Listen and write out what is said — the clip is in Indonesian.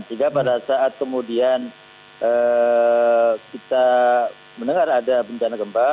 sehingga pada saat kemudian kita mendengar ada bencana gempa